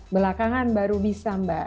belakangan baru bisa mbak